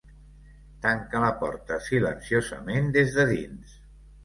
Tanca la porta silenciosament des de dins.